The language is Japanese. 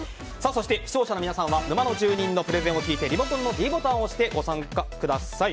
そして視聴者の皆さんは沼の住人のプレゼンを聞いてリモコンのｄボタンを押してご参加ください。